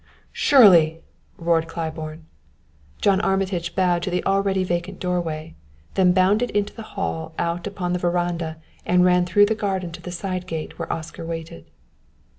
"Shirley!" roared Claiborne. John Armitage bowed to the already vacant doorway; then bounded into the hall out upon the veranda and ran through the garden to the side gate, where Oscar waited.